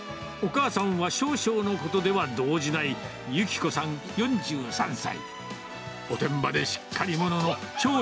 お母さんは少々のことでは動じない、由希子さん４３歳。